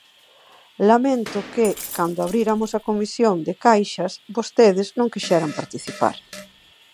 Lamento que, cando abríramos a Comisión de caixas vostedes non quixeran participar.